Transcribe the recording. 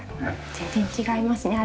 全然違いますね。